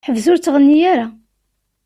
Ḥbes ur ttɣenni ara.